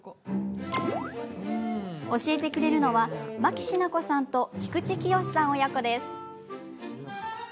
教えてくれるのは牧姿子さんと菊池清さん親子です。